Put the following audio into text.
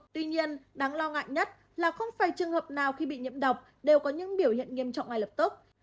tuy nhiên đáng lo ngại nhất là không phải trường hợp nào khi bị nhiễm độc đều có những biểu hiện nghiêm trọng ngay lập tức